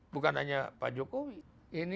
bukan hanya pak jokowi